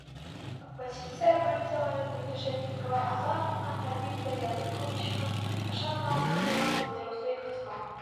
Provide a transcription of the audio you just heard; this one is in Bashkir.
Оппозиция партиялары берләшеп, Николай Азаровҡа һәм Виктор Януковичҡа ышанмаусанлыҡ белдереүе ихтимал.